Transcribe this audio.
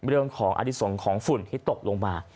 เรื่องของอดิสงฆ์ของฝุ่นที่ตกลงมา